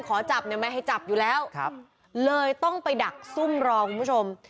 ขอจับไหมให้จับอยู่แล้วครับเลยต้องไปดักซุ่มรองคุณผู้ชม